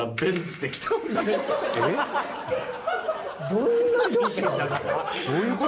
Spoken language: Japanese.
どんな女子や。